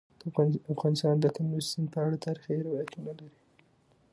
افغانستان د کندز سیند په اړه تاریخي روایتونه لري.